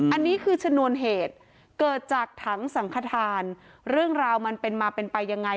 อันนี้คือชนวนเหตุเกิดจากถังสังขทานเรื่องราวมันเป็นมาเป็นไปยังไง